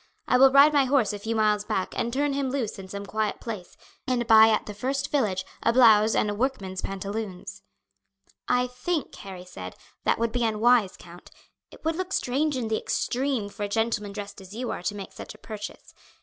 "I will ride my horse a few miles back and turn him loose in some quiet place, and buy at the first village a blouse and workman's pantaloons." "I think," Harry said, "that would be unwise, count; it would look strange in the extreme for a gentleman dressed as you are to make such a purchase.